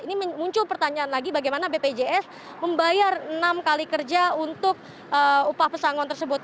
ini muncul pertanyaan lagi bagaimana bpjs membayar enam kali kerja untuk upah pesangon tersebut